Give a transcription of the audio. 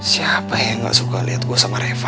siapa yang gak suka lihat gue sama reva